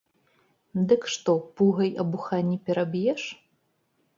Дык што, пугай абуха не пераб'еш?